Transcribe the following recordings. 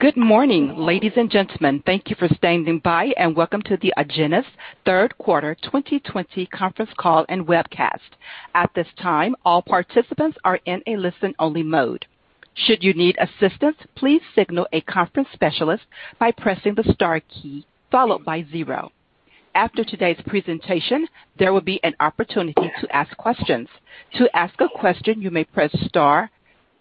Good morning, ladies and gentlemen. Thank you for standing by. Welcome to the Agenus Third Quarter 2020 Conference Call and Webcast. At this time, all participants are in a listen-only mode. Should you need assistance, please signal a conference specialist by pressing the star key, followed by zero. After today's presentation, there will be an opportunity to ask questions. To ask a question, you may press star,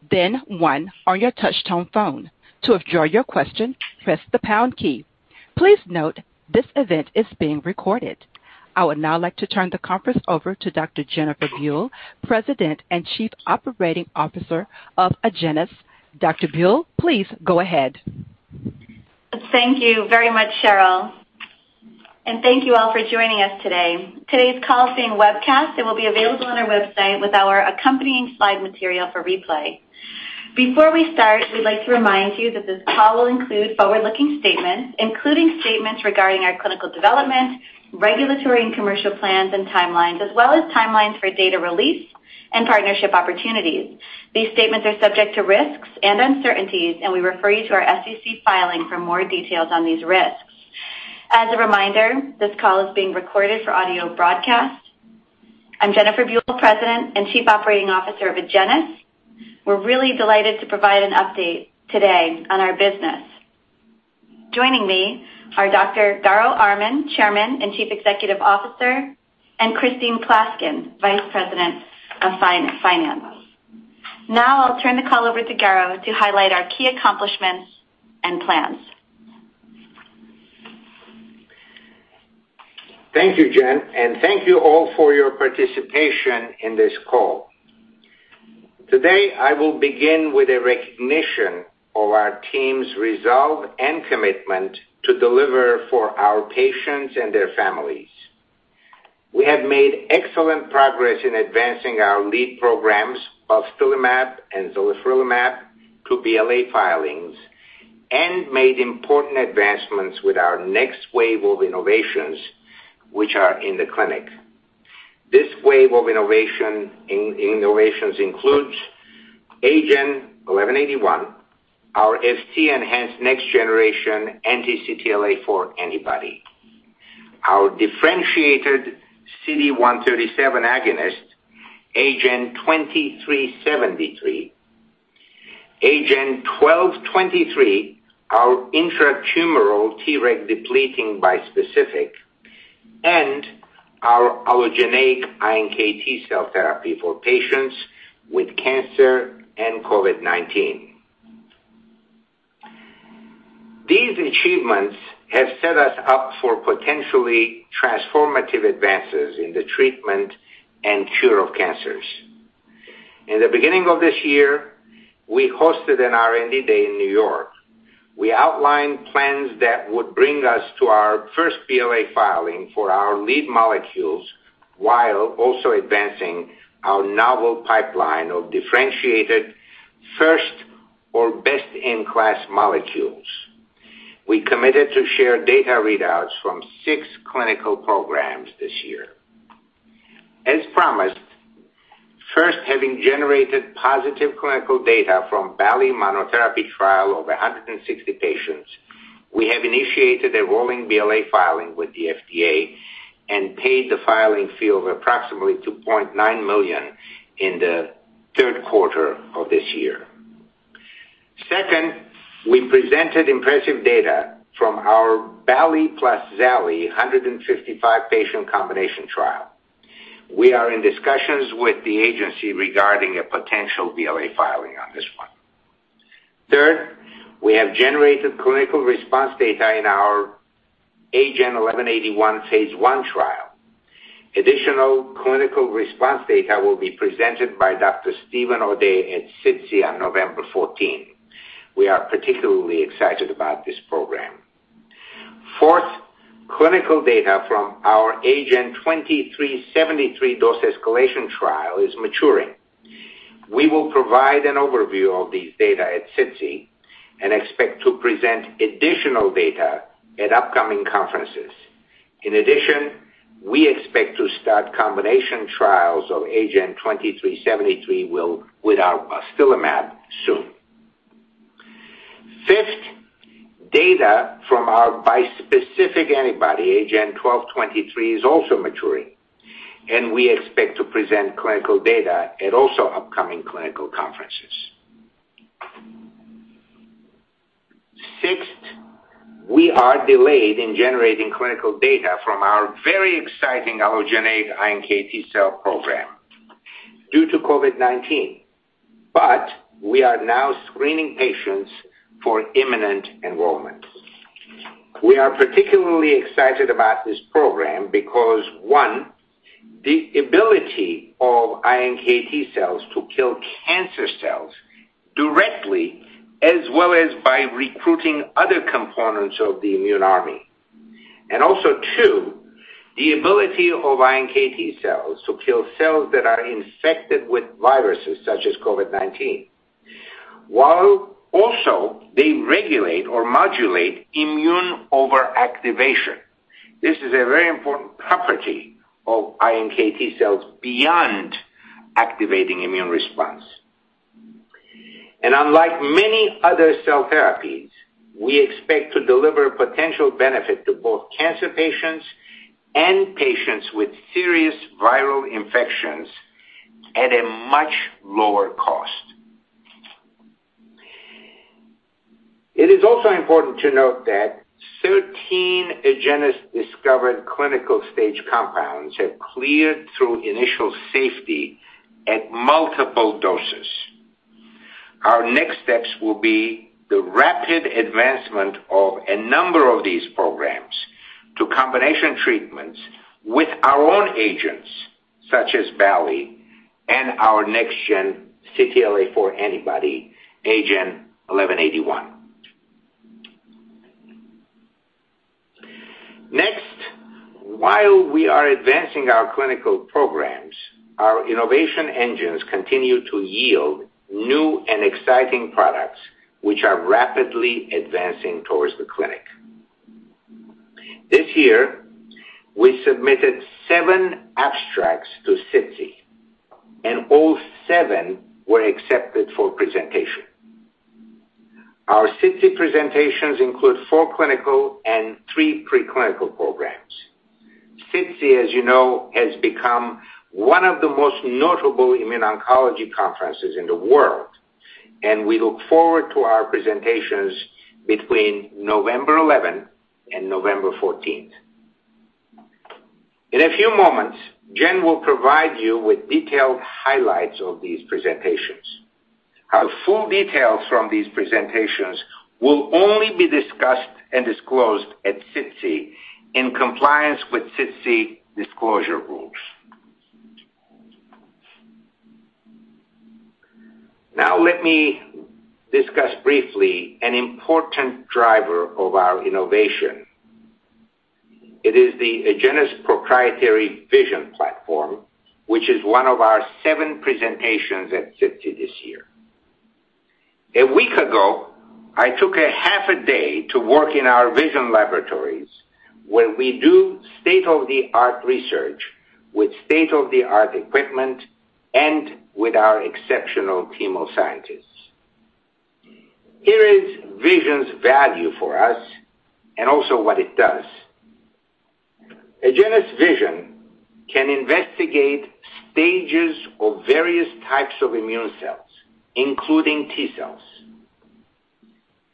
then one on your touch-tone phone. To withdraw your question, press the pound key. Please note this event is being recorded. I would now like to turn the conference over to Dr. Jennifer Buell, President and Chief Operating Officer of Agenus. Dr. Buell, please go ahead. Thank you very much, Cheryl. Thank you all for joining us today. Today's call is being webcast and will be available on our website with our accompanying slide material for replay. Before we start, we'd like to remind you that this call will include forward-looking statements, including statements regarding our clinical development, regulatory and commercial plans and timelines, as well as timelines for data release and partnership opportunities. These statements are subject to risks and uncertainties, and we refer you to our SEC filing for more details on these risks. As a reminder, this call is being recorded for audio broadcast. I'm Jennifer Buell, President and Chief Operating Officer of Agenus. We're really delighted to provide an update today on our business. Joining me are Dr. Garo Armen, Chairman and Chief Executive Officer, and Christine Klaskin, Vice President, Finance. Now I'll turn the call over to Garo to highlight our key accomplishments and plans. Thank you, Jen, and thank you all for your participation in this call. Today, I will begin with a recognition of our team's resolve and commitment to deliver for our patients and their families. We have made excellent progress in advancing our lead programs, balstilimab and zalifrelimab to BLA filings, and made important advancements with our next wave of innovations, which are in the clinic. This wave of innovations includes AGEN1181, our Fc-enhanced next-generation anti-CTLA-4 antibody, our differentiated CD137 agonist, AGEN2373, AGEN1223, our intratumoral Treg depleting bispecific, and our allogeneic iNKT cell therapy for patients with cancer and COVID-19. These achievements have set us up for potentially transformative advances in the treatment and cure of cancers. In the beginning of this year, we hosted an R&D day in New York. We outlined plans that would bring us to our first BLA filing for our lead molecules, while also advancing our novel pipeline of differentiated first or best-in-class molecules. We committed to share data readouts from six clinical programs this year. As promised, first having generated positive clinical data from balstilimab monotherapy trial of 160 patients, we have initiated a rolling BLA filing with the FDA and paid the filing fee of approximately $2.9 million in the third quarter of this year. Second, we presented impressive data from our balstilimab plus zalifrelimab 155-patient combination trial. We are in discussions with the agency regarding a potential BLA filing on this one. Third, we have generated clinical response data in our AGEN1181 phase I trial. Additional clinical response data will be presented by Dr. Steven O'Day at SITC on November 14. We are particularly excited about this program. Clinical data from our AGEN2373 dose escalation trial is maturing. We will provide an overview of these data at SITC and expect to present additional data at upcoming conferences. We expect to start combination trials of AGEN2373 with balstilimab soon. Data from our bispecific antibody, AGEN1223, is also maturing, and we expect to present clinical data at also upcoming clinical conferences. We are delayed in generating clinical data from our very exciting allogeneic iNKT cell program due to COVID-19. We are now screening patients for imminent enrollment. We are particularly excited about this program because, one, the ability of iNKT cells to kill cancer cells directly as well as by recruiting other components of the immune army, and also two, the ability of iNKT cells to kill cells that are infected with viruses such as COVID-19, while also they regulate or modulate immune overactivation. This is a very important property of iNKT cells beyond activating immune response. Unlike many other cell therapies, we expect to deliver potential benefit to both cancer patients and patients with serious viral infections at a much lower cost. It is also important to note that 13 Agenus-discovered clinical stage compounds have cleared through initial safety at multiple doses. Our next steps will be the rapid advancement of a number of these programs to combination treatments with our own agents such as balstilimab and our next-gen CTLA-4 antibody, AGEN1181. While we are advancing our clinical programs, our innovation engines continue to yield new and exciting products which are rapidly advancing towards the clinic. This year, we submitted seven abstracts to SITC, and all seven were accepted for presentation. Our SITC presentations include four clinical and three pre-clinical programs. SITC, as you know, has become one of the most notable immuno-oncology conferences in the world, and we look forward to our presentations between November 11th and November 14th. In a few moments, Jen will provide you with detailed highlights of these presentations. Our full details from these presentations will only be discussed and disclosed at SITC in compliance with SITC disclosure rules. Let me discuss briefly an important driver of our innovation. It is the Agenus proprietary VISION platform, which is one of our seven presentations at SITC this year. A week ago, I took a half a day to work in our VISION laboratories where we do state-of-the-art research with state-of-the-art equipment and with our exceptional team of scientists. Here is VISION's value for us and also what it does. Agenus VISION can investigate stages of various types of immune cells, including T cells.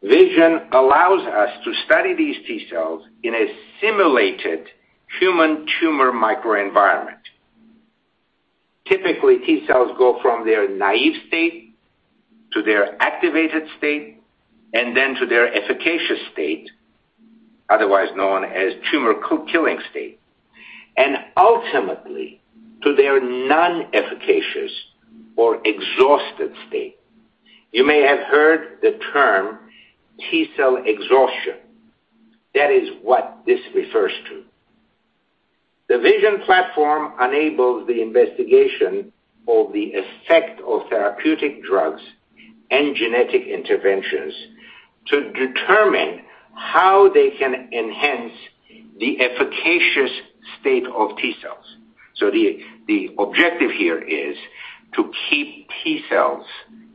VISION allows us to study these T cells in a simulated human tumor microenvironment. T cells go from their naive state to their activated state and then to their efficacious state, otherwise known as tumor killing state, and ultimately to their nonefficacious or exhausted state. You may have heard the term T cell exhaustion. That is what this refers to. The VISION platform enables the investigation of the effect of therapeutic drugs and genetic interventions to determine how they can enhance the efficacious state of T cells. The objective here is to keep T cells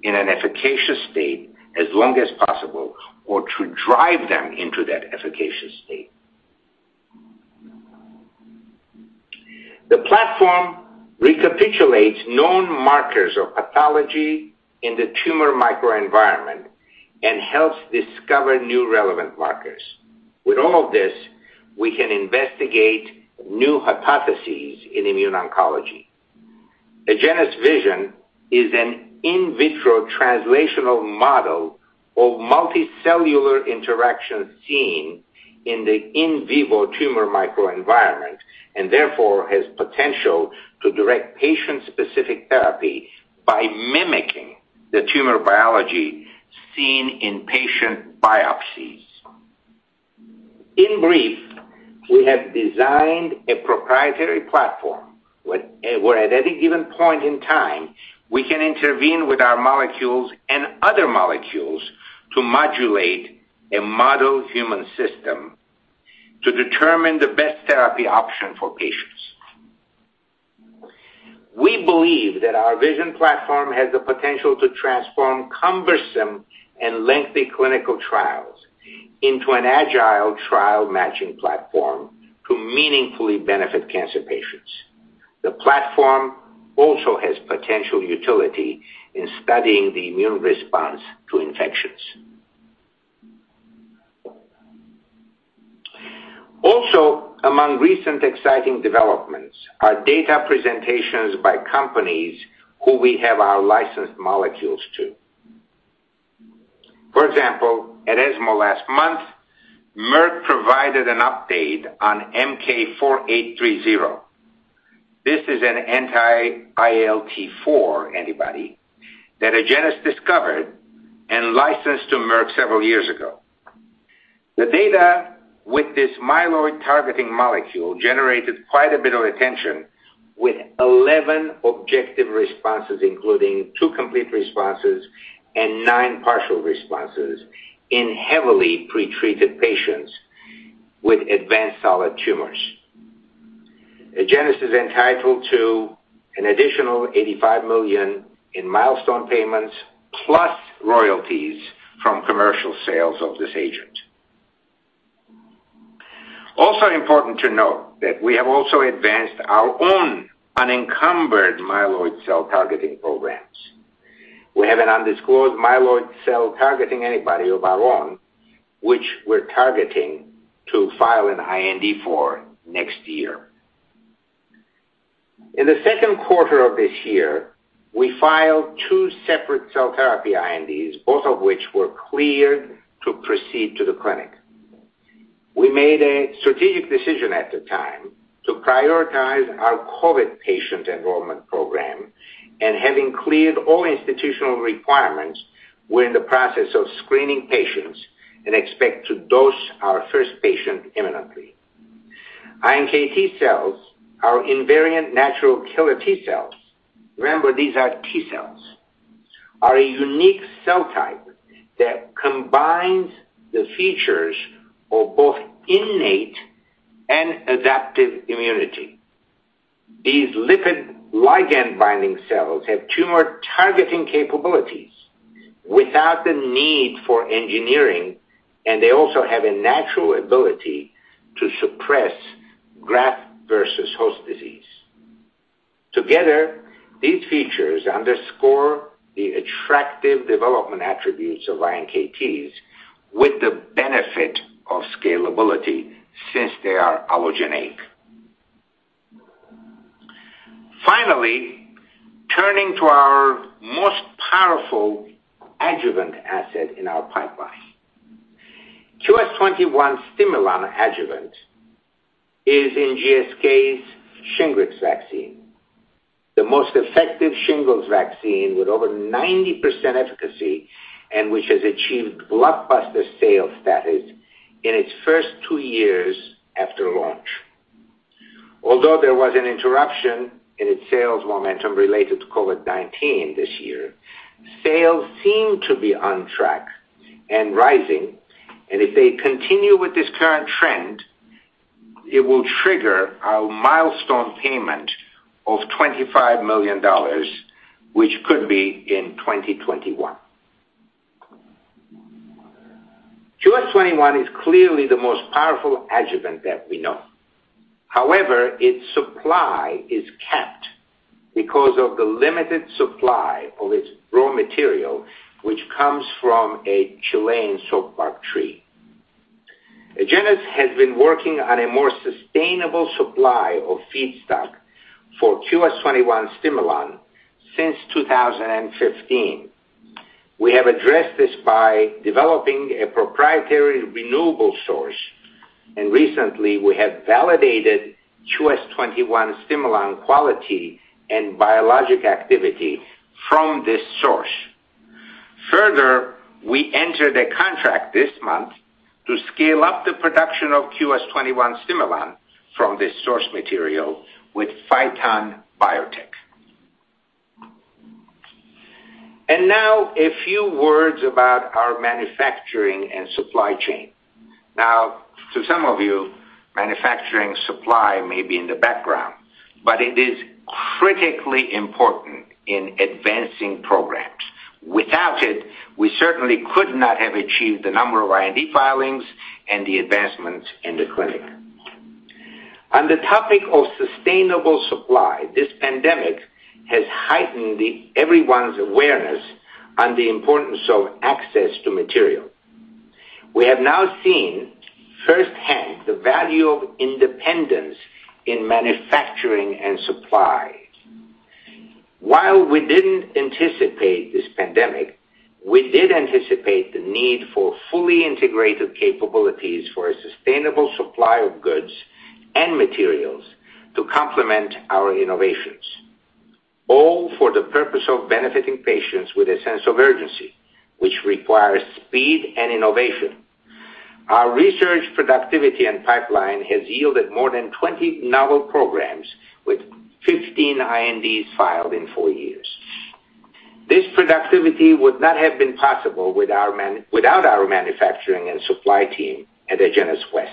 in an efficacious state as long as possible, or to drive them into that efficacious state. The platform recapitulates known markers of pathology in the tumor microenvironment and helps discover new relevant markers. With all of this, we can investigate new hypotheses in immuno-oncology. Agenus VISION is an in vitro translational model of multicellular interactions seen in the in vivo tumor microenvironment, and therefore has potential to direct patient-specific therapy by mimicking the tumor biology seen in patient biopsies. In brief, we have designed a proprietary platform where at any given point in time we can intervene with our molecules and other molecules to modulate a model human system to determine the best therapy option for patients. We believe that our VISION platform has the potential to transform cumbersome and lengthy clinical trials into an agile trial-matching platform to meaningfully benefit cancer patients. The platform also has potential utility in studying the immune response to infections. Among recent exciting developments are data presentations by companies who we have out-licensed molecules to. For example, at ESMO last month, Merck provided an update on MK-4830. This is an anti-ILT4 antibody that Agenus discovered and licensed to Merck several years ago. The data with this myeloid-targeting molecule generated quite a bit of attention with 11 objective responses, including two complete responses and nine partial responses in heavily pretreated patients with advanced solid tumors. Agenus is entitled to an additional $85 million in milestone payments, plus royalties from commercial sales of this agent. Important to note that we have also advanced our own unencumbered myeloid cell-targeting programs. We have an undisclosed myeloid cell-targeting antibody of our own, which we're targeting to file an IND for next year. In the second quarter of this year, we filed two separate cell therapy INDs, both of which were cleared to proceed to the clinic. We made a strategic decision at the time to prioritize our COVID patient enrollment program, and having cleared all institutional requirements, we're in the process of screening patients and expect to dose our first patient imminently. iNKT cells are invariant natural killer T cells. Remember, these are T cells, are a unique cell type that combines the features of both innate and adaptive immunity. These lipid ligand-binding cells have tumor-targeting capabilities without the need for engineering, and they also have a natural ability to suppress graft versus host disease. Together, these features underscore the attractive development attributes of iNKTs with the benefit of scalability since they are allogeneic. Finally, turning to our most powerful adjuvant asset in our pipeline. QS-21 Stimulon adjuvant is in GSK's SHINGRIX vaccine, the most effective shingles vaccine with over 90% efficacy and which has achieved blockbuster sales status in its first two years after launch. Although there was an interruption in its sales momentum related to COVID-19 this year, sales seem to be on track and rising, and if they continue with this current trend, it will trigger a milestone payment of $25 million, which could be in 2021. QS-21 is clearly the most powerful adjuvant that we know. However, its supply is capped because of the limited supply of its raw material, which comes from a Chilean soapbark tree. Agenus has been working on a more sustainable supply of feedstock for QS-21 Stimulon since 2015. We have addressed this by developing a proprietary renewable source, and recently we have validated QS-21 Stimulon quality and biologic activity from this source. Further, we entered a contract this month to scale up the production of QS-21 Stimulon from this source material with Phyton Biotech. Now a few words about our manufacturing and supply chain. To some of you, manufacturing supply may be in the background, but it is critically important in advancing programs. Without it, we certainly could not have achieved the number of R&D filings and the advancements in the clinic. On the topic of sustainable supply, this pandemic has heightened everyone's awareness on the importance of access to material. We have now seen firsthand the value of independence in manufacturing and supply. While we didn't anticipate this pandemic, we did anticipate the need for fully integrated capabilities for a sustainable supply of goods and materials to complement our innovations, all for the purpose of benefiting patients with a sense of urgency, which requires speed and innovation. Our research productivity and pipeline has yielded more than 20 novel programs with 15 INDs filed in four years. This productivity would not have been possible without our manufacturing and supply team at Agenus West,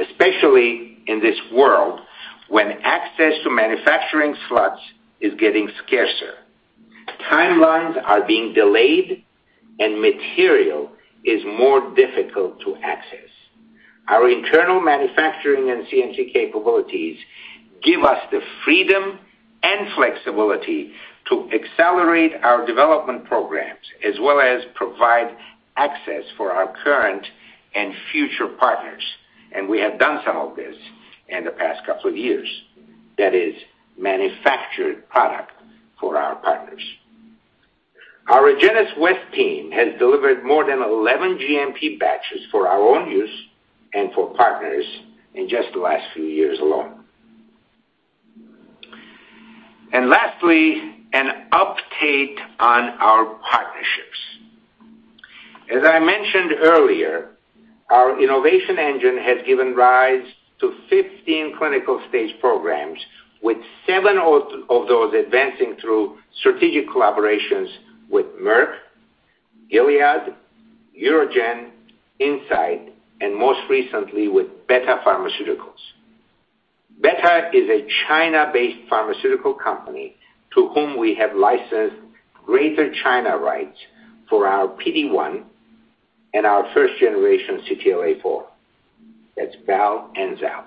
especially in this world when access to manufacturing slots is getting scarcer, timelines are being delayed, and material is more difficult to access. Our internal manufacturing and CMC capabilities give us the freedom and flexibility to accelerate our development programs as well as provide access for our current and future partners. We have done some of this in the past couple of years. That is, manufactured product for our partners. Our Agenus West team has delivered more than 11 GMP batches for our own use and for partners in just the last few years alone. Lastly, an update on our partnerships. As I mentioned earlier, our innovation engine has given rise to 15 clinical stage programs, with seven of those advancing through strategic collaborations with Merck, Gilead, UroGen, Incyte, and most recently with Betta Pharmaceuticals. Betta is a China-based pharmaceutical company to whom we have licensed Greater China rights for our PD-1 and our first generation CTLA-4. That's balstilimab and zalifrelimab.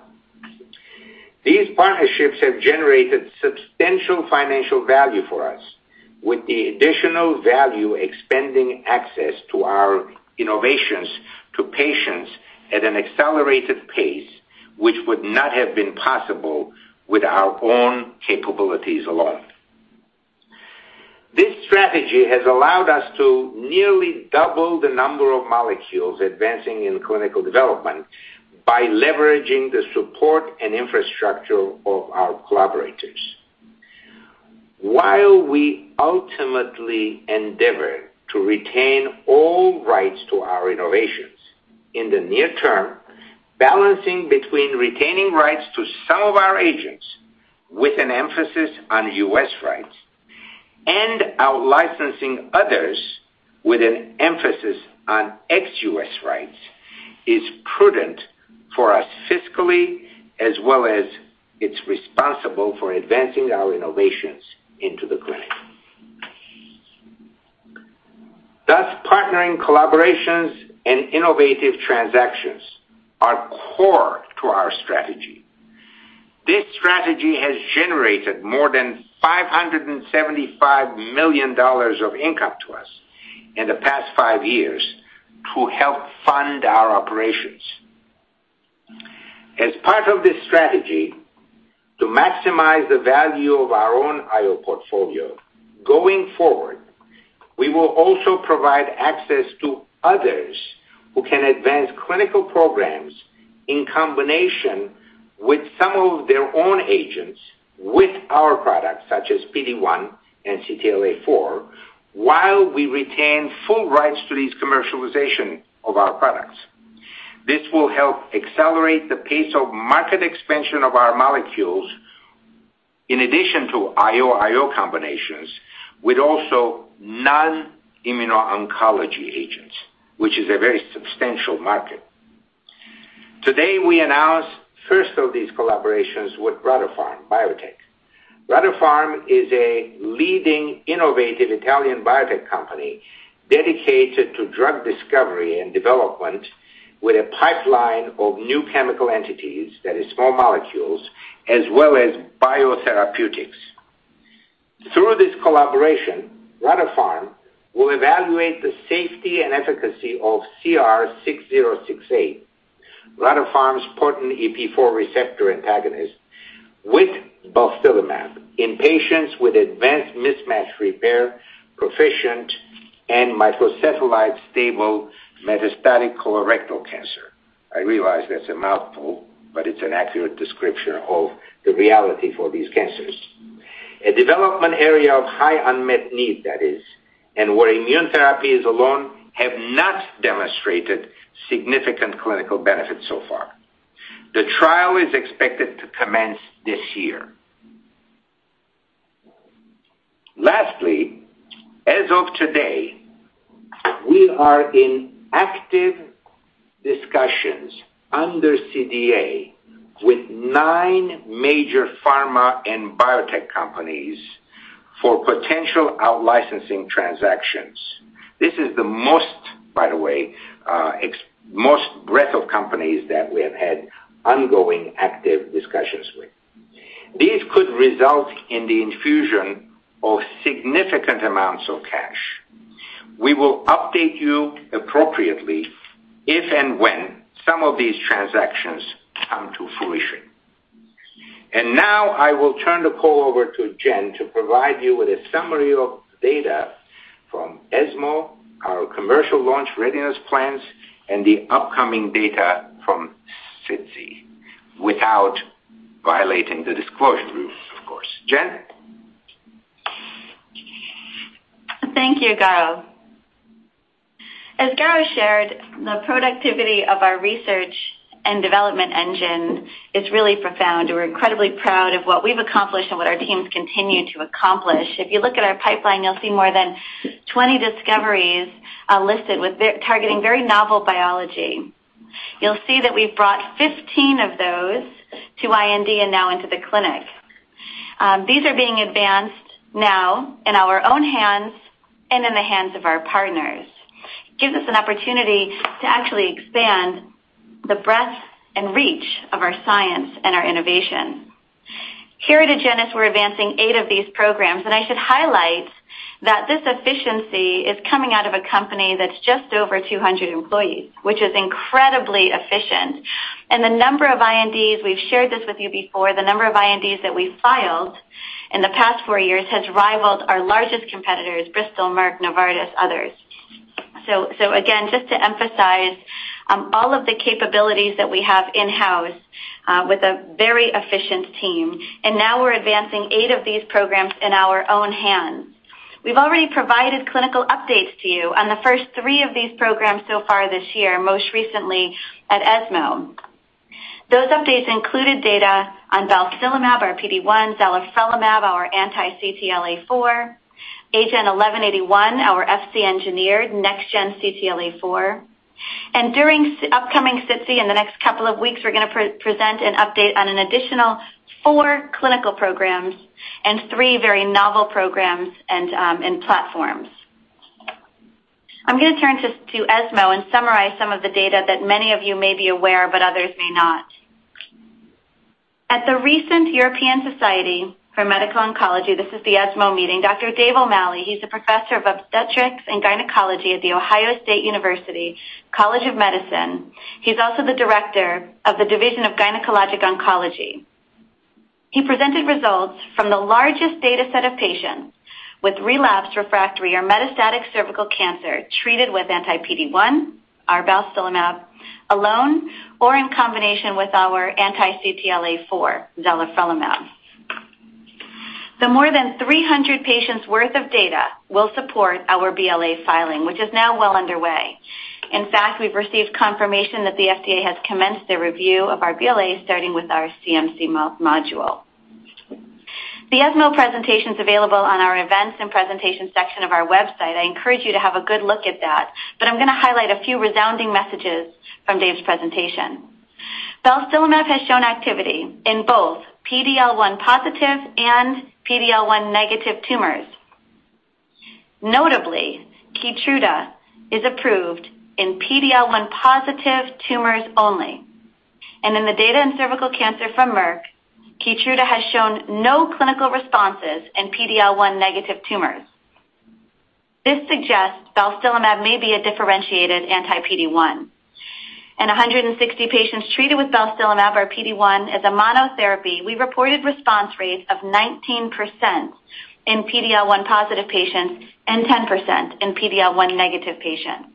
These partnerships have generated substantial financial value for us with the additional value expanding access to our innovations to patients at an accelerated pace, which would not have been possible with our own capabilities alone. This strategy has allowed us to nearly double the number of molecules advancing in clinical development by leveraging the support and infrastructure of our collaborators. While we ultimately endeavor to retain all rights to our innovations, in the near term, balancing between retaining rights to some of our agents with an emphasis on U.S. rights and out-licensing others with an emphasis on ex-U.S. rights is prudent for us fiscally as well as it's responsible for advancing our innovations into the clinic. Partnering collaborations and innovative transactions are core to our strategy. This strategy has generated more than $575 million of income to us in the past five years to help fund our operations. As part of this strategy to maximize the value of our own I-O portfolio, going forward, we will also provide access to others who can advance clinical programs in combination with some of their own agents with our products such as PD-1 and CTLA-4, while we retain full rights to these commercialization of our products. This will help accelerate the pace of market expansion of our molecules in addition to I-O combinations with also non-immuno-oncology agents, which is a very substantial market. Today, we announced first of these collaborations with Rottapharm Biotech. Rottapharm is a leading innovative Italian biotech company dedicated to drug discovery and development with a pipeline of new chemical entities that is small molecules as well as biotherapeutics. Through this collaboration, Rottapharm will evaluate the safety and efficacy of CR6086, Rottapharm's potent EP4 receptor antagonist with balstilimab in patients with advanced mismatch repair proficient and microsatellite stable metastatic colorectal cancer. I realize that's a mouthful, but it's an accurate description of the reality for these cancers. A development area of high unmet need that is, and where immunotherapies alone have not demonstrated significant clinical benefits so far. The trial is expected to commence this year. Lastly, as of today, we are in active discussions under CDA with nine major pharma and biotech companies for potential out-licensing transactions. This is the most, by the way, breadth of companies that we have had ongoing active discussions with. These could result in the infusion of significant amounts of cash. We will update you appropriately if and when some of these transactions come to fruition. Now I will turn the call over to Jen to provide you with a summary of data from ESMO, our commercial launch readiness plans, and the upcoming data from SITC without violating the disclosure rules, of course. Jen? Thank you, Garo. As Garo shared, the productivity of our research and development engine is really profound. We're incredibly proud of what we've accomplished and what our teams continue to accomplish. If you look at our pipeline, you'll see more than 20 discoveries, listed with targeting very novel biology. You'll see that we've brought 15 of those to IND and now into the clinic. These are being advanced now in our own hands and in the hands of our partners. Gives us an opportunity to actually expand the breadth and reach of our science and our innovation. Here at Agenus, we're advancing eight of these programs, and I should highlight that this efficiency is coming out of a company that's just over 200 employees, which is incredibly efficient. The number of INDs, we've shared this with you before, the number of INDs that we filed in the past four years has rivaled our largest competitors, Bristol, Merck, Novartis, others. Again, just to emphasize, all of the capabilities that we have in-house, with a very efficient team, now we're advancing eight of these programs in our own hands. We've already provided clinical updates to you on the first three of these programs so far this year, most recently at ESMO. Those updates included data on balstilimab, our PD-1, zalifrelimab, our anti-CTLA-4, AGEN1181, our Fc-engineered next-gen CTLA-4. During upcoming SITC in the next couple of weeks, we're going to present an update on an additional four clinical programs and three very novel programs and platforms. I'm going to turn to ESMO and summarize some of the data that many of you may be aware, but others may not. At the recent European Society for Medical Oncology, this is the ESMO meeting, Dr. Dave O'Malley, he's a Professor of Obstetrics and Gynecology at The Ohio State University College of Medicine. He's also the Director of the Division of Gynecologic Oncology. He presented results from the largest data set of patients with relapsed, refractory, or metastatic cervical cancer treated with anti-PD-1, our balstilimab, alone or in combination with our anti-CTLA-4, zalifrelimab. The more than 300 patients' worth of data will support our BLA filing, which is now well underway. In fact, we've received confirmation that the FDA has commenced a review of our BLA, starting with our CMC module. The ESMO presentation is available on our events and presentations section of our website. I encourage you to have a good look at that. I'm going to highlight a few resounding messages from Dave's presentation. balstilimab has shown activity in both PD-L1 positive and PD-L1 negative tumors. Notably, KEYTRUDA is approved in PD-L1 positive tumors only. In the data in cervical cancer from Merck, KEYTRUDA has shown no clinical responses in PD-L1 negative tumors. This suggests balstilimab may be a differentiated anti-PD-1. In 160 patients treated with balstilimab or PD-1 as a monotherapy, we reported response rates of 19% in PD-L1 positive patients and 10% in PD-L1 negative patients.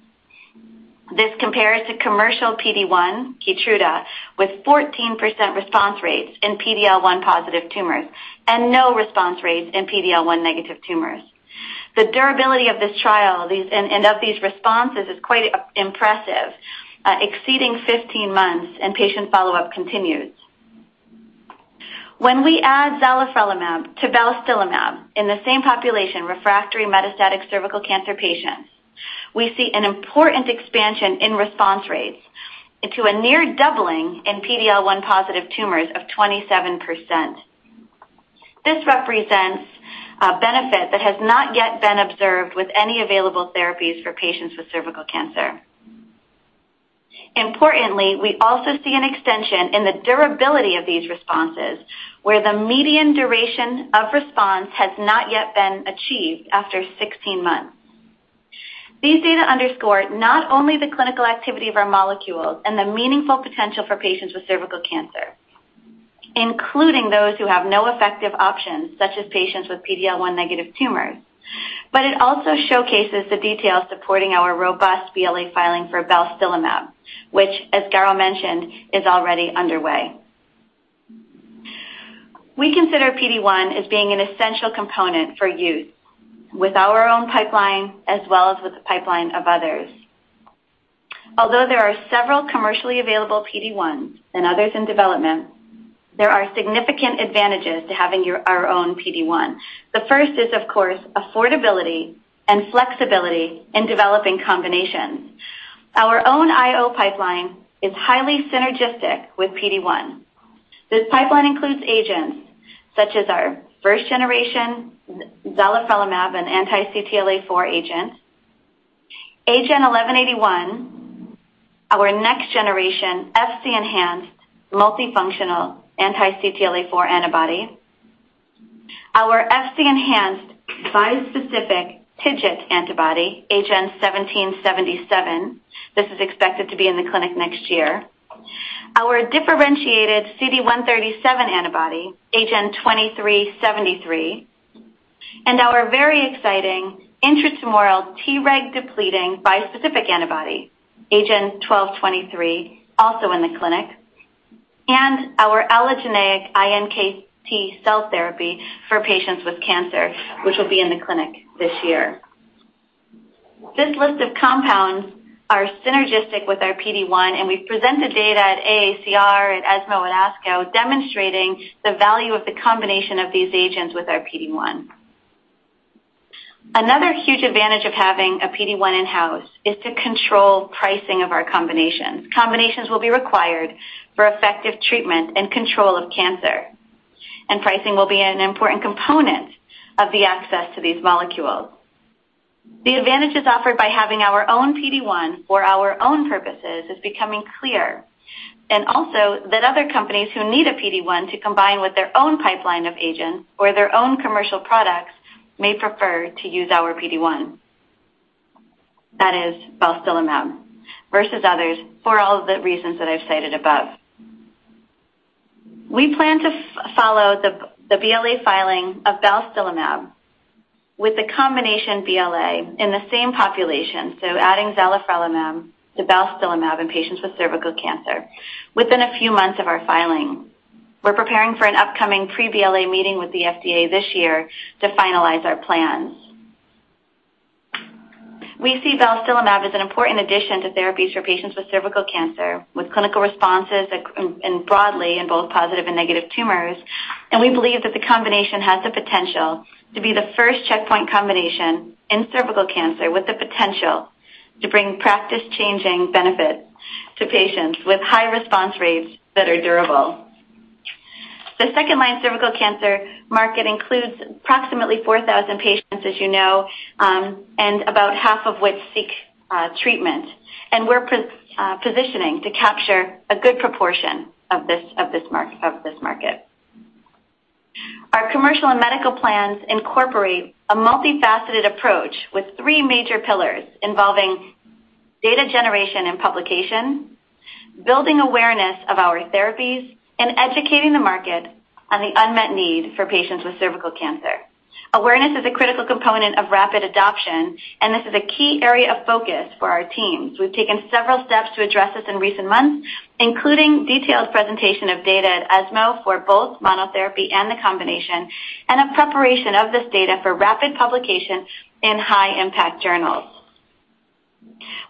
This compares to commercial PD-1, KEYTRUDA, with 14% response rates in PD-L1 positive tumors and no response rates in PD-L1 negative tumors. The durability of this trial and of these responses is quite impressive, exceeding 15 months. Patient follow-up continues. When we add zalifrelimab to balstilimab in the same population, refractory metastatic cervical cancer patients, we see an important expansion in response rates to a near doubling in PD-L1 positive tumors of 27%. This represents a benefit that has not yet been observed with any available therapies for patients with cervical cancer. Importantly, we also see an extension in the durability of these responses, where the median duration of response has not yet been achieved after 16 months. These data underscore not only the clinical activity of our molecules and the meaningful potential for patients with cervical cancer, including those who have no effective options, such as patients with PD-L1 negative tumors, it also showcases the details supporting our robust BLA filing for balstilimab, which as Garo mentioned, is already underway. We consider PD-1 as being an essential component for use with our own pipeline as well as with the pipeline of others. Although there are several commercially available PD-1s and others in development, there are significant advantages to having our own PD-1. The first is, of course, affordability and flexibility in developing combinations. Our own I-O pipeline is highly synergistic with PD-1. This pipeline includes agents such as our first generation zalifrelimab and anti-CTLA-4 agent, AGEN1181, our next generation Fc-enhanced multifunctional anti-CTLA-4 antibody, our Fc-enhanced bispecific TIGIT antibody, AGEN1777. This is expected to be in the clinic next year. Our differentiated CD137 antibody, AGEN2373, and our very exciting intratumoral Treg-depleting bispecific antibody, AGEN1223, also in the clinic. Our allogeneic iNKT cell therapy for patients with cancer, which will be in the clinic this year. This list of compounds are synergistic with our PD-1. We've presented data at AACR, at ESMO and ASCO, demonstrating the value of the combination of these agents with our PD-1. Another huge advantage of having a PD-1 in-house is to control pricing of our combinations. Combinations will be required for effective treatment and control of cancer. Pricing will be an important component of the access to these molecules. The advantages offered by having our own PD-1 for our own purposes is becoming clear. Also that other companies who need a PD-1 to combine with their own pipeline of agents or their own commercial products may prefer to use our PD-1. That is balstilimab versus others for all the reasons that I've cited above. We plan to follow the BLA filing of balstilimab with a combination BLA in the same population, so adding zalifrelimab to balstilimab in patients with cervical cancer within a few months of our filing. We're preparing for an upcoming pre-BLA meeting with the FDA this year to finalize our plans. We see balstilimab as an important addition to therapies for patients with cervical cancer, with clinical responses broadly in both positive and negative tumors, and we believe that the combination has the potential to be the first checkpoint combination in cervical cancer with the potential to bring practice-changing benefit to patients with high response rates that are durable. The second-line cervical cancer market includes approximately 4,000 patients, as you know, and about half of which seek treatment. We're positioning to capture a good proportion of this market. Our commercial and medical plans incorporate a multifaceted approach with three major pillars involving data generation and publication, building awareness of our therapies, and educating the market on the unmet need for patients with cervical cancer. Awareness is a critical component of rapid adoption. This is a key area of focus for our teams. We've taken several steps to address this in recent months, including detailed presentation of data at ESMO for both monotherapy and the combination, a preparation of this data for rapid publication in high-impact journals.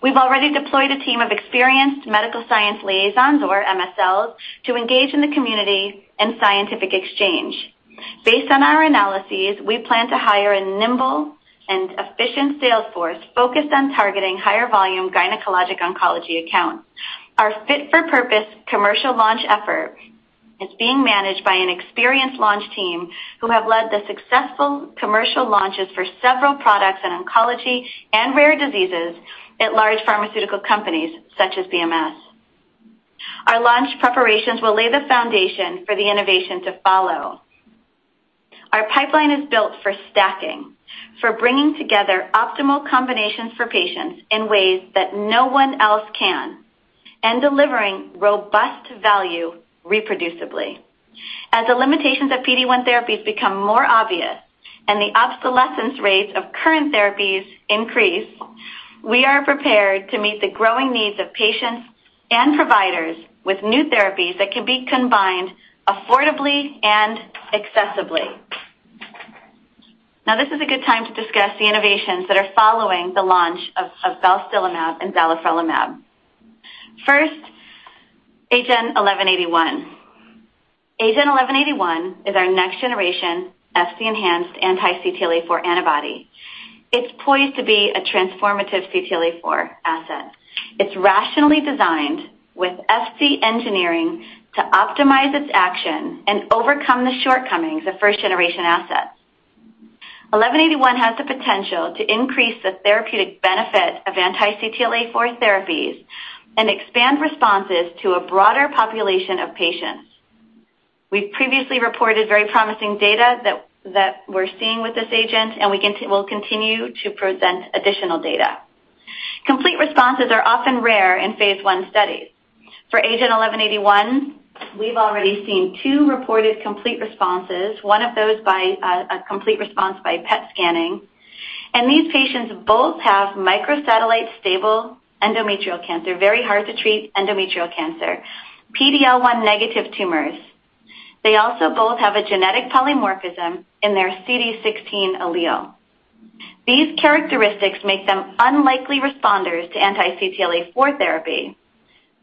We've already deployed a team of experienced medical science liaisons, or MSLs, to engage in the community in scientific exchange. Based on our analyses, we plan to hire a nimble and efficient sales force focused on targeting higher volume gynecologic oncology accounts. Our fit-for-purpose commercial launch effort is being managed by an experienced launch team who have led the successful commercial launches for several products in oncology and rare diseases at large pharmaceutical companies such as BMS. Our launch preparations will lay the foundation for the innovation to follow. Our pipeline is built for stacking, for bringing together optimal combinations for patients in ways that no one else can, and delivering robust value reproducibly. As the limitations of PD-1 therapies become more obvious and the obsolescence rates of current therapies increase, we are prepared to meet the growing needs of patients and providers with new therapies that can be combined affordably and accessibly. This is a good time to discuss the innovations that are following the launch of balstilimab and zalifrelimab. AGEN1181. AGEN1181 is our next-generation Fc-enhanced anti-CTLA-4 antibody. It's poised to be a transformative CTLA-4 asset. It's rationally designed with Fc engineering to optimize its action and overcome the shortcomings of first generation assets. AGEN1181 has the potential to increase the therapeutic benefit of anti-CTLA-4 therapies and expand responses to a broader population of patients. We've previously reported very promising data that we're seeing with this agent, and we'll continue to present additional data. Complete responses are often rare in phase I studies. For AGEN1181, we've already seen two reported complete responses, one of those by a complete response by PET scanning. These patients both have microsatellite stable endometrial cancer, very hard to treat endometrial cancer, PD-L1 negative tumors. They also both have a genetic polymorphism in their CD16 allele. These characteristics make them unlikely responders to anti-CTLA-4 therapy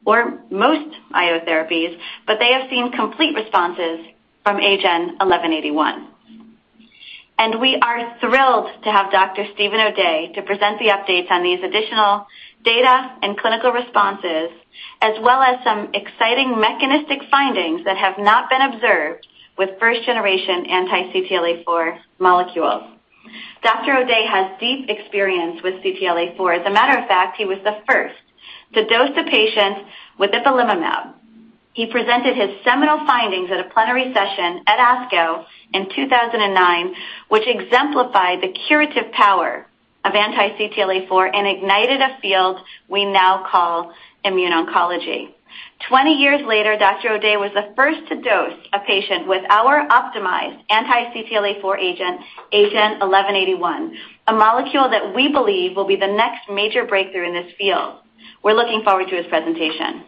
or most I-O therapies, but they have seen complete responses from AGEN1181. We are thrilled to have Dr. Steven O'Day to present the updates on these additional data and clinical responses, as well as some exciting mechanistic findings that have not been observed with first generation anti-CTLA-4 molecules. Dr. O'Day has deep experience with CTLA-4. As a matter of fact, he was the first to dose a patient with ipilimumab. He presented his seminal findings at a plenary session at ASCO in 2009, which exemplified the curative power of anti-CTLA-4 and ignited a field we now call immune oncology. 20 years later, Dr. O'Day was the first to dose a patient with our optimized anti-CTLA-4 agent, AGEN1181, a molecule that we believe will be the next major breakthrough in this field. We're looking forward to his presentation.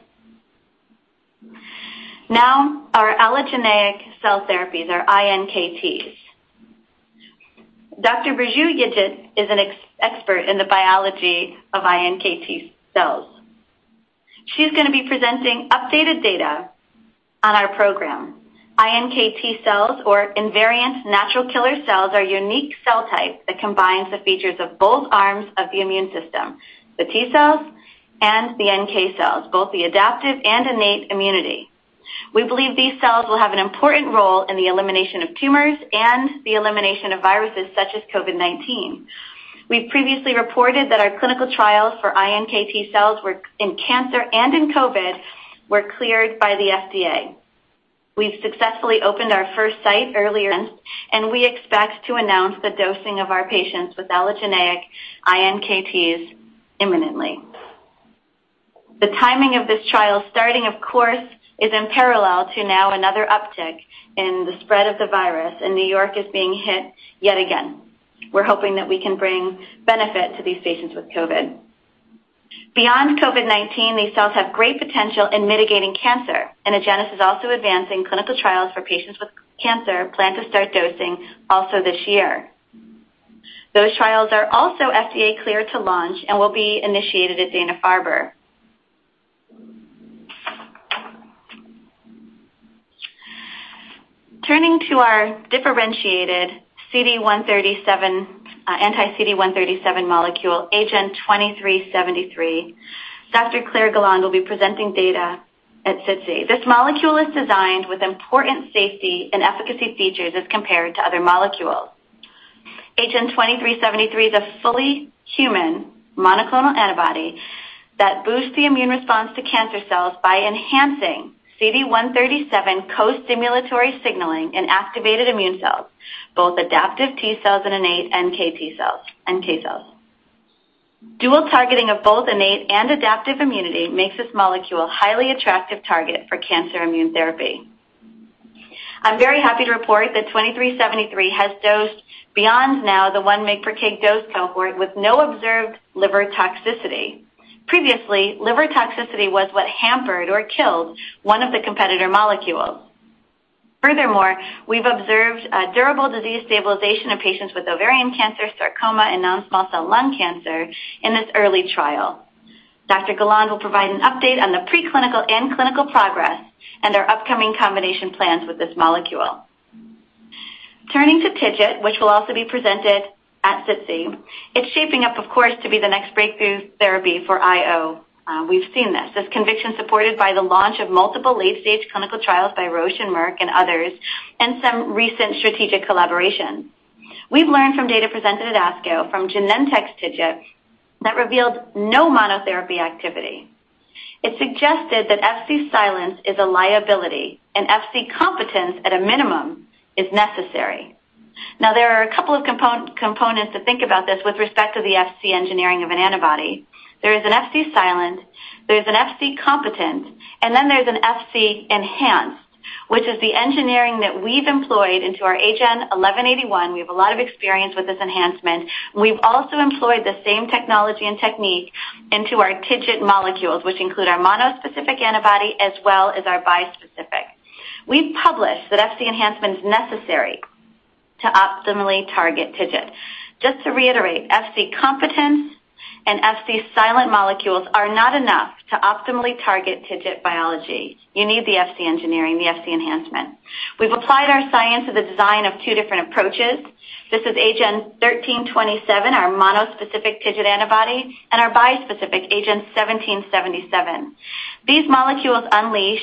Our allogeneic cell therapies, our iNKTs. Dr. Burcu Yigit is an expert in the biology of iNKT cells. She's going to be presenting updated data on our program. iNKT cells or invariant natural killer cells are unique cell type that combines the features of both arms of the immune system, the T cells and the NK cells, both the adaptive and innate immunity. We believe these cells will have an important role in the elimination of tumors and the elimination of viruses such as COVID-19. We've previously reported that our clinical trials for iNKT cells in cancer and in COVID were cleared by the FDA. We've successfully opened our first site earlier this month. We expect to announce the dosing of our patients with allogeneic iNKTs imminently. The timing of this trial starting, of course, is in parallel to now another uptick in the spread of the virus. New York is being hit yet again. We're hoping that we can bring benefit to these patients with COVID-19. Beyond COVID-19, these cells have great potential in mitigating cancer, and Agenus is also advancing clinical trials for patients with cancer, planned to start dosing also this year. Those trials are also FDA clear to launch and will be initiated at Dana-Farber. Turning to our differentiated CD137, anti-CD137 molecule, AGEN2373, Dr. Claire Galand will be presenting data at SITC. This molecule is designed with important safety and efficacy features as compared to other molecules. AGEN2373 is a fully human monoclonal antibody that boosts the immune response to cancer cells by enhancing CD137 co-stimulatory signaling in activated immune cells, both adaptive T cells and innate NK cells. Dual targeting of both innate and adaptive immunity makes this molecule a highly attractive target for cancer immune therapy. I'm very happy to report that AGEN2373 has dosed beyond now the 1 mg/kg dose cohort with no observed liver toxicity. Previously, liver toxicity was what hampered or killed one of the competitor molecules. Furthermore, we've observed a durable disease stabilization of patients with ovarian cancer, sarcoma, and non-small cell lung cancer in this early trial. Dr. Galand will provide an update on the preclinical and clinical progress and our upcoming combination plans with this molecule. Turning to TIGIT, which will also be presented at SITC, it's shaping up, of course, to be the next breakthrough therapy for I-O. We've seen this. This conviction supported by the launch of multiple late-stage clinical trials by Roche and Merck and others, and some recent strategic collaborations. We've learned from data presented at ASCO from Genentech's TIGIT that revealed no monotherapy activity. It suggested that Fc silence is a liability and Fc competence at a minimum is necessary. Now, there are a couple of components to think about this with respect to the Fc engineering of an antibody. There is an Fc silent, there's an Fc competent, and then there's an Fc enhanced, which is the engineering that we've employed into our AGEN1181. We have a lot of experience with this enhancement. We've also employed the same technology and technique into our TIGIT molecules, which include our monospecific antibody as well as our bispecific. We've published that Fc enhancement is necessary to optimally target TIGIT. Just to reiterate, Fc competence and Fc silent molecules are not enough to optimally target TIGIT biology. You need the Fc engineering, the Fc enhancement. We've applied our science to the design of two different approaches. This is AGEN1327, our monospecific TIGIT antibody, and our bispecific AGEN1777. These molecules unleash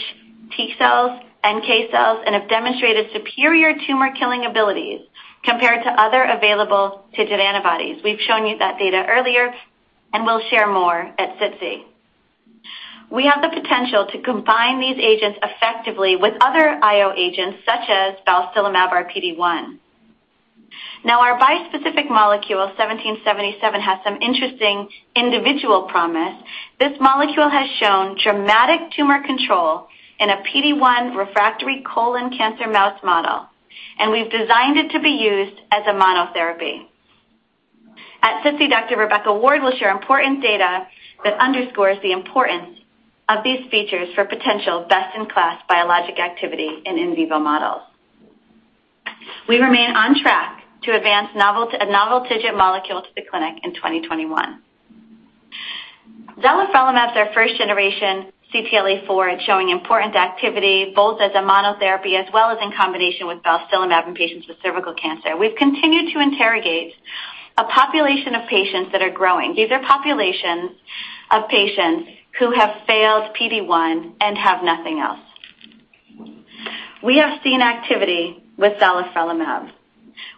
T cells, NK cells, and have demonstrated superior tumor killing abilities compared to other available TIGIT antibodies. We've shown you that data earlier, and we'll share more at SITC. We have the potential to combine these agents effectively with other I-O agents such as balstilimab or PD-1. Now our bispecific molecule AGEN1777 has some interesting individual promise. This molecule has shown dramatic tumor control in a PD-1 refractory colon cancer mouse model, and we've designed it to be used as a monotherapy. At SITC, Dr. Rebecca Ward will share important data that underscores the importance of these features for potential best-in-class biologic activity in in vivo models. We remain on track to advance a novel TIGIT molecule to the clinic in 2021. Zalifrelimab is our first generation CTLA-4. It's showing important activity both as a monotherapy as well as in combination with balstilimab in patients with cervical cancer. We've continued to interrogate a population of patients that are growing. These are populations of patients who have failed PD-1 and have nothing else. We have seen activity with zalifrelimab.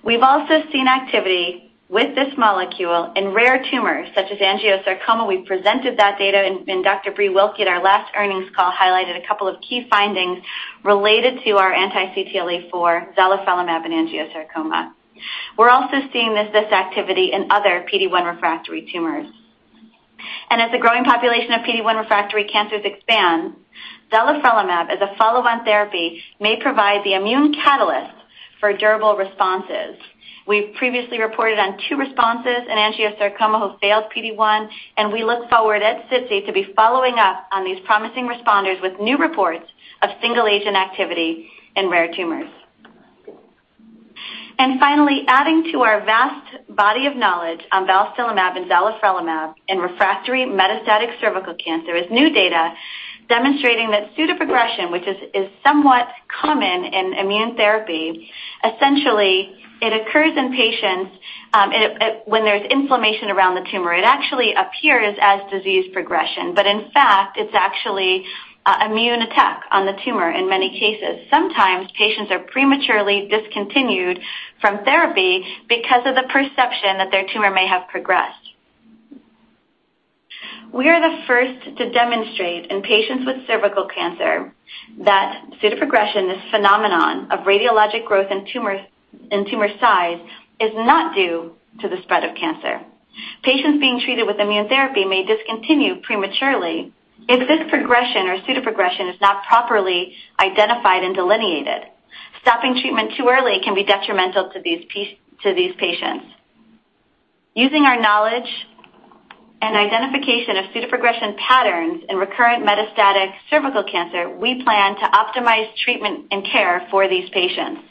We've also seen activity with this molecule in rare tumors such as angiosarcoma. We presented that data, Dr. Bree Wilky at our last earnings call highlighted a couple of key findings related to our anti-CTLA-4 zalifrelimab and angiosarcoma. We're also seeing this activity in other PD-1 refractory tumors. As the growing population of PD-1 refractory cancers expand, zalifrelimab as a follow-on therapy may provide the immune catalyst for durable responses. We've previously reported on two responses in angiosarcoma who failed PD-1, and we look forward at SITC to be following up on these promising responders with new reports of single-agent activity in rare tumors. Finally, adding to our vast body of knowledge on balstilimab and zalifrelimab in refractory metastatic cervical cancer is new data demonstrating that pseudoprogression, which is somewhat common in immune therapy, essentially it occurs in patients when there's inflammation around the tumor. It actually appears as disease progression, but in fact, it's actually immune attack on the tumor in many cases. Sometimes patients are prematurely discontinued from therapy because of the perception that their tumor may have progressed. We are the first to demonstrate in patients with cervical cancer that pseudoprogression, this phenomenon of radiologic growth in tumor size, is not due to the spread of cancer. Patients being treated with immune therapy may discontinue prematurely if this progression or pseudoprogression is not properly identified and delineated. Stopping treatment too early can be detrimental to these patients. Using our knowledge and identification of pseudoprogression patterns in recurrent metastatic cervical cancer, we plan to optimize treatment and care for these patients.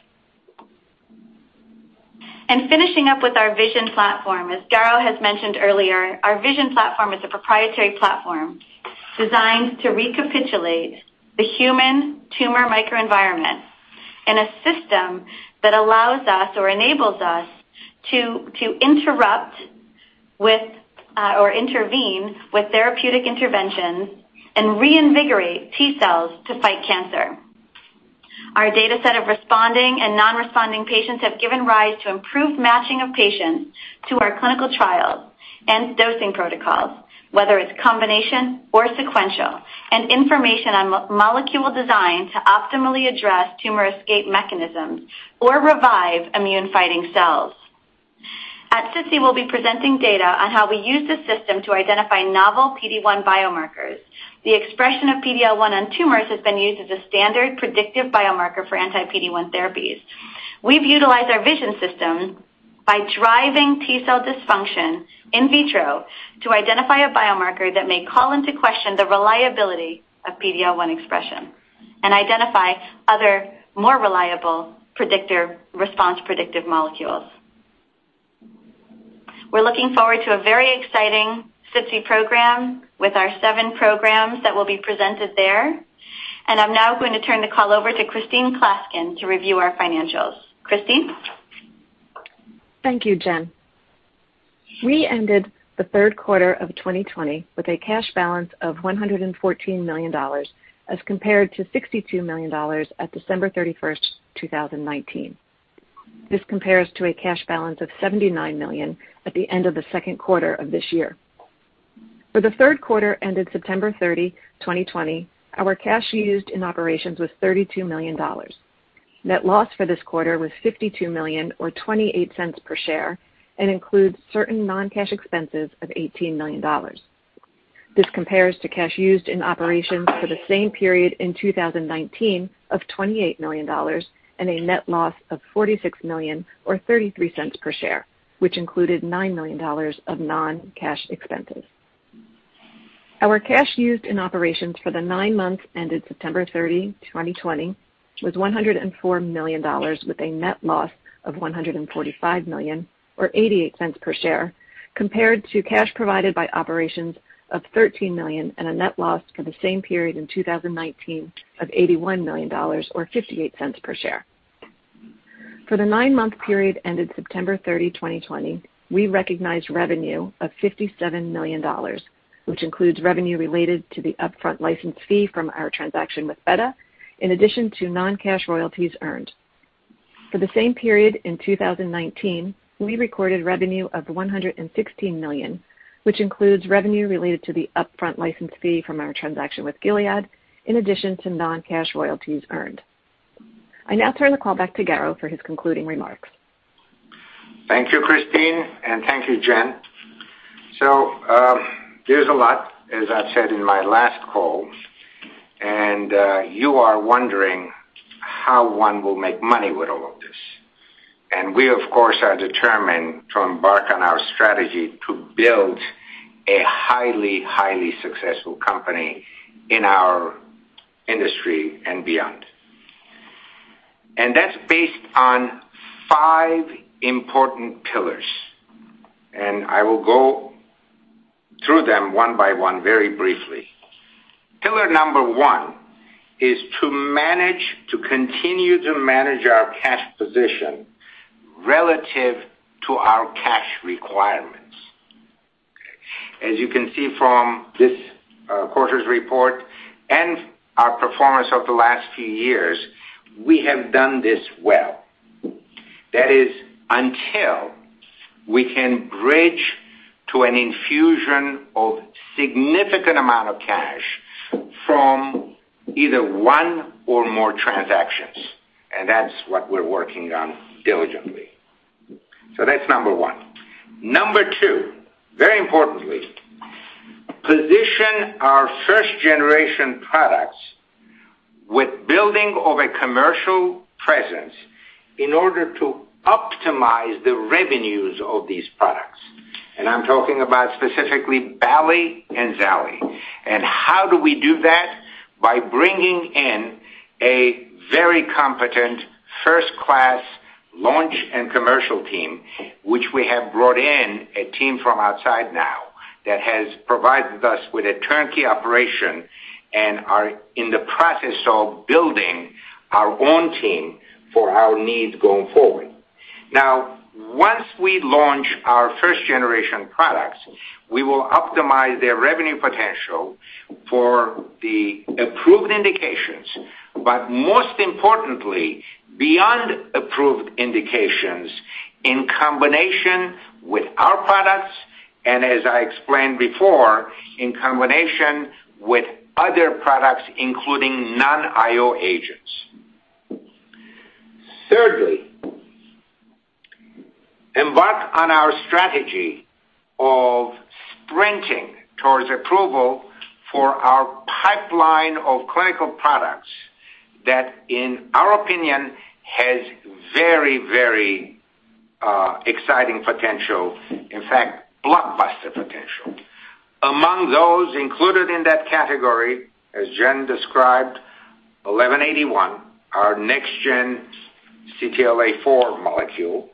Finishing up with our VISION platform. As Garo has mentioned earlier, our VISION platform is a proprietary platform designed to recapitulate the human tumor microenvironment in a system that allows us or enables us to interrupt or intervene with therapeutic interventions and reinvigorate T cells to fight cancer. Our data set of responding and non-responding patients have given rise to improved matching of patients to our clinical trials and dosing protocols, whether it's combination or sequential, and information on molecule design to optimally address tumor escape mechanisms or revive immune-fighting cells. At SITC, we'll be presenting data on how we use the VISION system to identify novel PD-1 biomarkers. The expression of PD-L1 on tumors has been used as a standard predictive biomarker for anti-PD-1 therapies. We've utilized our VISION system by driving T-cell dysfunction in vitro to identify a biomarker that may call into question the reliability of PD-L1 expression and identify other more reliable response predictive molecules. We're looking forward to a very exciting SITC program with our seven programs that will be presented there. I'm now going to turn the call over to Christine Klaskin to review our financials. Christine? Thank you, Jen. We ended the third quarter of 2020 with a cash balance of $114 million as compared to $62 million at December 31st, 2019. This compares to a cash balance of $79 million at the end of the second quarter of this year. For the third quarter ended September 30, 2020, our cash used in operations was $32 million. Net loss for this quarter was $52 million, or $0.28 per share, and includes certain non-cash expenses of $18 million. This compares to cash used in operations for the same period in 2019 of $28 million and a net loss of $46 million or $0.33 per share, which included $9 million of non-cash expenses. Our cash used in operations for the nine months ended September 30, 2020, was $104 million with a net loss of $145 million or $0.88 per share, compared to cash provided by operations of $13 million and a net loss for the same period in 2019 of $81 million or $0.58 per share. For the nine-month period ended September 30, 2020, we recognized revenue of $57 million, which includes revenue related to the upfront license fee from our transaction with Betta, in addition to non-cash royalties earned. For the same period in 2019, we recorded revenue of $116 million, which includes revenue related to the upfront license fee from our transaction with Gilead, in addition to non-cash royalties earned. I now turn the call back to Garo for his concluding remarks. Thank you, Christine, and thank you, Jen. There's a lot, as I've said in my last call, and you are wondering how one will make money with all of this. We, of course, are determined to embark on our strategy to build a highly successful company in our industry and beyond. That's based on five important pillars, and I will go through them one by one very briefly. Pillar number one is to continue to manage our cash position relative to our cash requirements. As you can see from this quarter's report and our performance over the last few years, we have done this well. That is, until we can bridge to an infusion of significant amount of cash from either one or more transactions, and that's what we're working on diligently. That's number one. Number two, very importantly, position our first-generation products with building of a commercial presence in order to optimize the revenues of these products. I'm talking about specifically balstilimab and zalifrelimab. How do we do that? By bringing in a very competent first-class launch and commercial team, which we have brought in a team from outside now that has provided us with a turnkey operation and are in the process of building our own team for our needs going forward. Now, once we launch our first-generation products, we will optimize their revenue potential for the approved indications, but most importantly, beyond approved indications in combination with our products and, as I explained before, in combination with other products, including non I-O agents. Thirdly, embark on our strategy of approval for our pipeline of clinical products that, in our opinion, has very exciting potential. In fact, blockbuster potential. Among those included in that category, as Jen described, AGEN1181, our next-gen CTLA-4 molecule,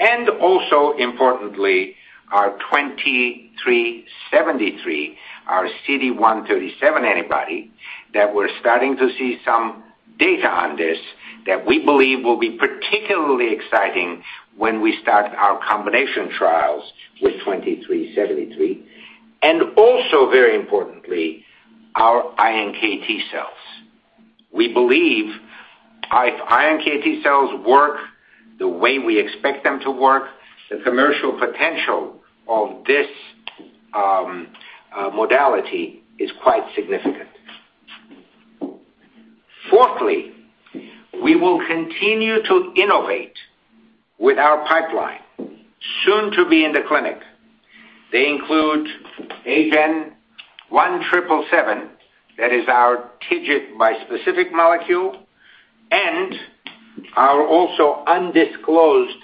and also importantly, our AGEN2373, our CD137 antibody, that we're starting to see some data on this that we believe will be particularly exciting when we start our combination trials with AGEN2373, and also very importantly, our iNKT cells. We believe if iNKT cells work the way we expect them to work, the commercial potential of this modality is quite significant. Fourthly, we will continue to innovate with our pipeline, soon to be in the clinic. They include AGEN1777, that is our TIGIT bispecific molecule, and our also undisclosed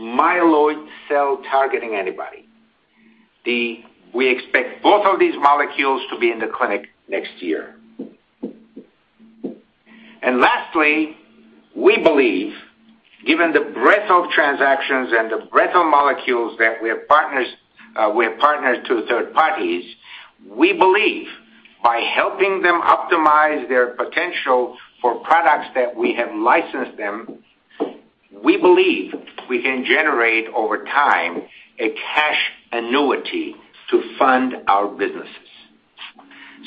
myeloid cell-targeting antibody. We expect both of these molecules to be in the clinic next year. Lastly, we believe, given the breadth of transactions and the breadth of molecules that we have partnered to third parties, we believe by helping them optimize their potential for products that we have licensed them, we believe we can generate, over time, a cash annuity to fund our businesses.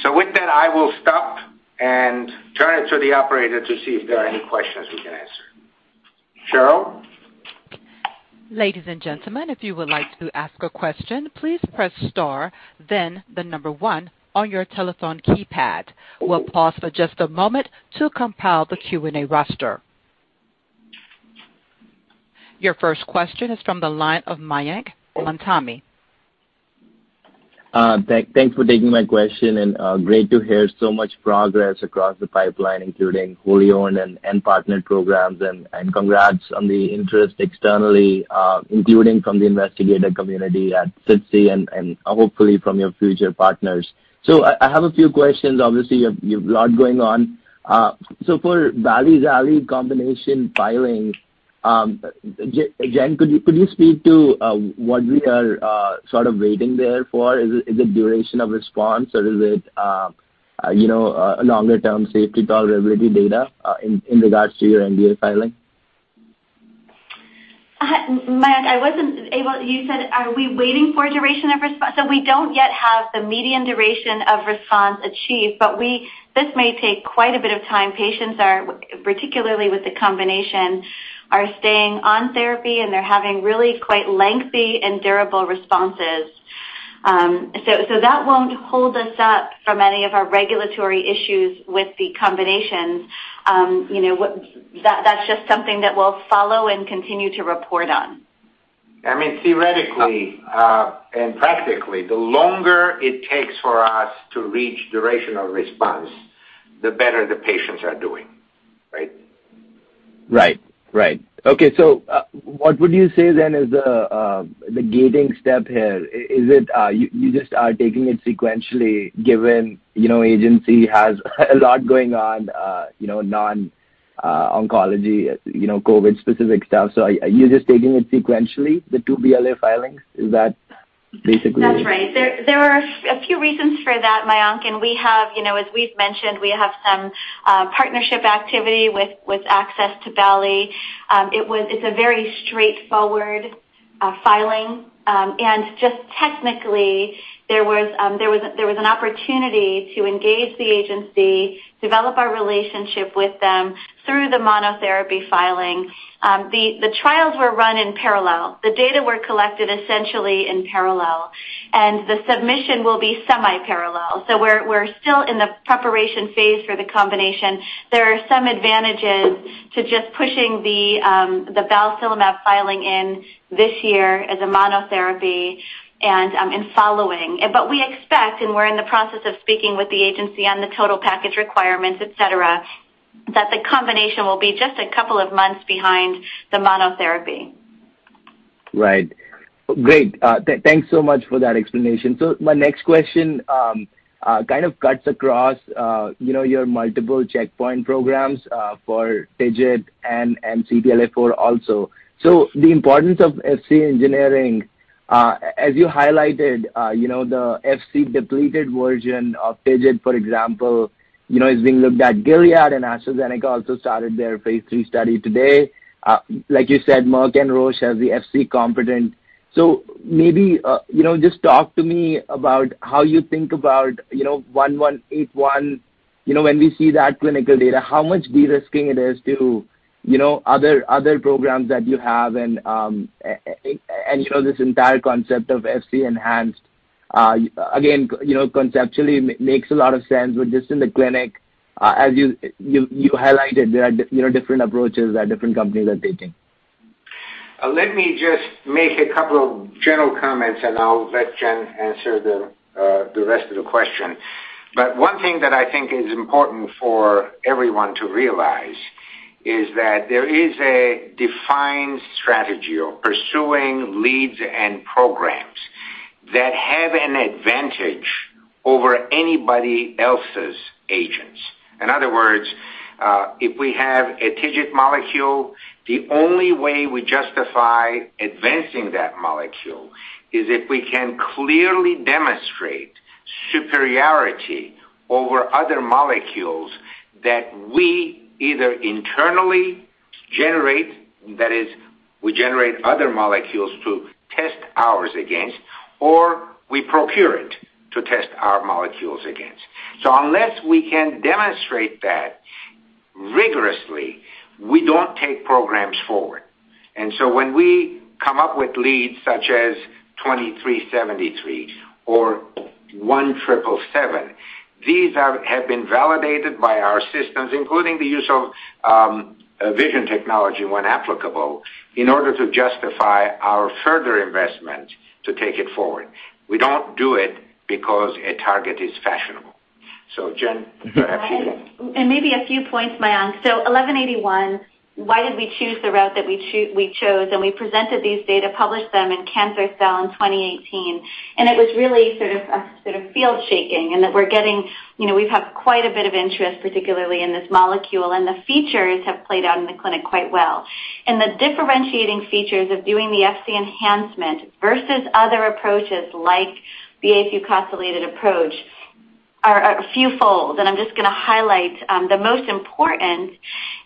With that, I will stop and turn it to the operator to see if there are any questions we can answer. Cheryl? Ladies and gentlemen, if you would like to ask a question, please press star, then the number one on your telephone keypad. We'll pause for just a moment to compile the Q&A roster. Your first question is from the line of Mayank Mamtani. Thanks for taking my question. Great to hear so much progress across the pipeline, including wholly owned and partnered programs. Congrats on the interest externally, including from the investigative community at SITC and hopefully from your future partners. I have a few questions. Obviously, you have a lot going on. For balstilimab and zalifrelimab combination filing, Jen, could you speak to what we are sort of waiting there for? Is it duration of response, or is it longer-term safety tolerability data in regards to your BLA filing? Mayank, you said, are we waiting for duration of response? We don't yet have the median duration of response achieved, but this may take quite a bit of time. Patients are, particularly with the combination, are staying on therapy, and they're having really quite lengthy and durable responses. That won't hold us up from any of our regulatory issues with the combinations. That's just something that we'll follow and continue to report on. I mean, theoretically and practically, the longer it takes for us to reach durational response, the better the patients are doing. Right? Right. Okay, what would you say then is the gating step here? Is it you just are taking it sequentially given Agenus has a lot going on non-oncology, COVID specific stuff? Are you just taking it sequentially, the two BLA filings? That's right. There are a few reasons for that, Mayank. As we've mentioned, we have some partnership activity with access to bali. It's a very straightforward filing. Just technically, there was an opportunity to engage the agency, develop our relationship with them through the monotherapy filing. The trials were run in parallel. The data were collected essentially in parallel. The submission will be semi-parallel. We're still in the preparation phase for the combination. There are some advantages to just pushing the balstilimab filing in this year as a monotherapy and following. We expect, and we're in the process of speaking with the agency on the total package requirements, et cetera, that the combination will be just a couple of months behind the monotherapy. Right. Great. Thanks so much for that explanation. My next question kind of cuts across your multiple checkpoint programs for TIGIT and CTLA-4 also. The importance of Fc engineering, as you highlighted, the Fc-depleted version of TIGIT, for example is being looked at Gilead and AstraZeneca also started their phase III study today. Like you said, Merck and Roche have the Fc competent. Maybe just talk to me about how you think about AGEN1181. When we see that clinical data, how much de-risking it is to other programs that you have, and this entire concept of Fc enhanced, again, conceptually makes a lot of sense, but just in the clinic, as you highlighted, there are different approaches that different companies are taking. Let me just make a couple of general comments, and I'll let Jen answer the rest of the question. One thing that I think is important for everyone to realize is that there is a defined strategy of pursuing leads and programs that have an advantage over anybody else's agents. In other words, if we have a TIGIT molecule, the only way we justify advancing that molecule is if we can clearly demonstrate superiority over other molecules that we either internally generate, that is, we generate other molecules to test ours against, or we procure it to test our molecules against. Unless we can demonstrate that rigorously, we don't take programs forward. When we come up with leads such as AGEN2373 or AGEN1777, these have been validated by our systems, including the use of VISION technology when applicable, in order to justify our further investment to take it forward. We don't do it because a target is fashionable. Jen, go ahead please. Maybe a few points, Mayank. AGEN1181, why did we choose the route that we chose? We presented these data, published them in Cancer Cell in 2018, and it was really sort of field shaking and that we've had quite a bit of interest, particularly in this molecule, and the features have played out in the clinic quite well. The differentiating features of doing the Fc enhancement versus other approaches like the afucosylated approach are a few fold, and I'm just going to highlight the most important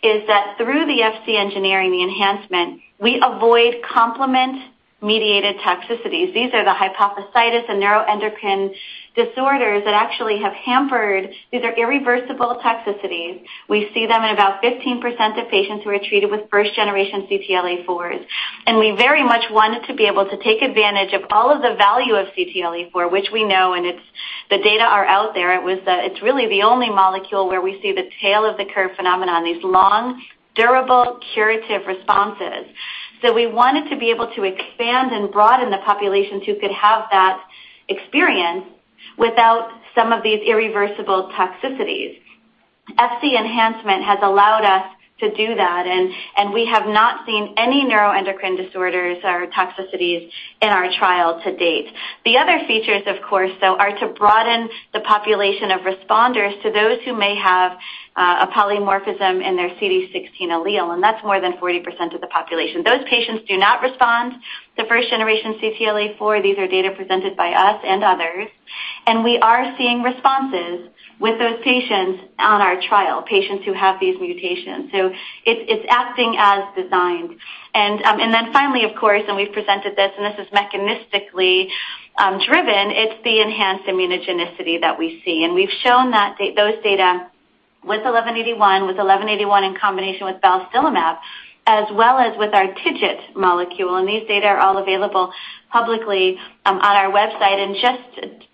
is that through the Fc engineering, the enhancement, we avoid complement-mediated toxicities. These are the hypophysitis and neuroendocrine disorders that actually have hampered. These are irreversible toxicities. We see them in about 15% of patients who are treated with first generation CTLA-4s. We very much wanted to be able to take advantage of all of the value of CTLA-4, which we know, and the data are out there. It's really the only molecule where we see the tail of the curve phenomenon, these long, durable, curative responses. We wanted to be able to expand and broaden the populations who could have that experience without some of these irreversible toxicities. Fc enhancement has allowed us to do that, and we have not seen any neuroendocrine disorders or toxicities in our trial to date. The other features, of course, though, are to broaden the population of responders to those who may have a polymorphism in their CD16 allele, and that's more than 40% of the population. Those patients do not respond to first generation CTLA-4. These are data presented by us and others, we are seeing responses with those patients on our trial, patients who have these mutations. It's acting as designed. Finally, of course, we've presented this is mechanistically driven, it's the enhanced immunogenicity that we see. We've shown those data with AGEN1181, with AGEN1181 in combination with balstilimab, as well as with our TIGIT molecule. These data are all available publicly on our website. Just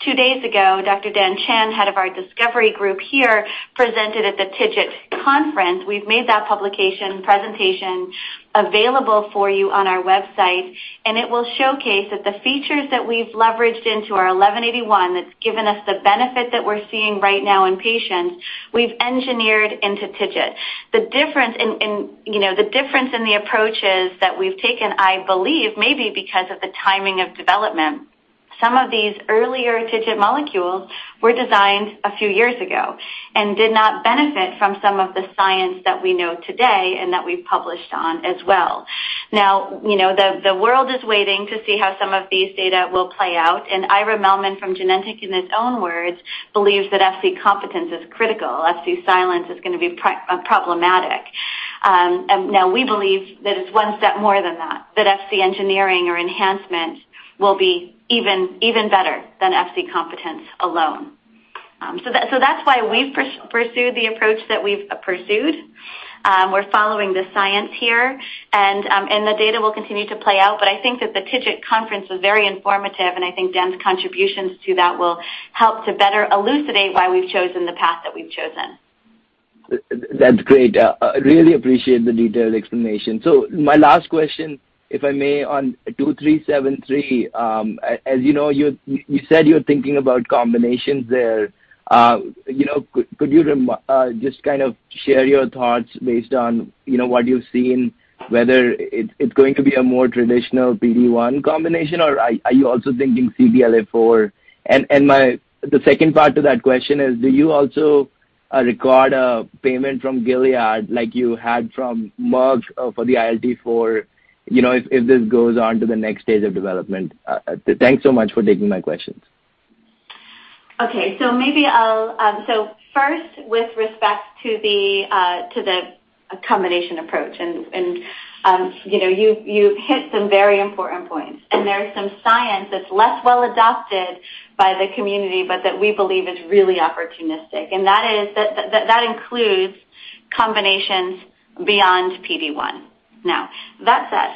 two days ago, Dr. Dhan Chand, Head of our Discovery Group here, presented at the TIGIT conference. We've made that publication presentation available for you on our website, and it will showcase that the features that we've leveraged into our AGEN1181 that's given us the benefit that we're seeing right now in patients, we've engineered into TIGIT. The difference in the approaches that we've taken, I believe, may be because of the timing of development. Some of these earlier TIGIT molecules were designed a few years ago and did not benefit from some of the science that we know today and that we've published on as well. Now, the world is waiting to see how some of these data will play out. Ira Mellman from Genentech, in his own words, believes that Fc competence is critical. Fc silence is going to be problematic. Now, we believe that it's one step more than that Fc engineering or enhancement will be even better than Fc competence alone. That's why we've pursued the approach that we've pursued. We're following the science here. The data will continue to play out. I think that the TIGIT conference was very informative, and I think Dhan's contributions to that will help to better elucidate why we've chosen the path that we've chosen. That's great. I really appreciate the detailed explanation. My last question, if I may, on AGEN2373. As you know, you said you're thinking about combinations there. Could you just kind of share your thoughts based on what you've seen, whether it's going to be a more traditional PD-1 combination, or are you also thinking CTLA-4? The second part to that question is, do you also record a payment from Gilead like you had from Merck for the ILT4 if this goes on to the next stage of development? Thanks so much for taking my questions. Okay. First, with respect to the combination approach, and you've hit some very important points, and there's some science that's less well adopted by the community, but that we believe is really opportunistic, and that includes combinations beyond PD-1. That said,